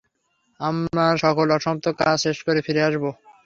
আমার সকল অসমাপ্ত কাজ শেষ করে ফিরে আসবো।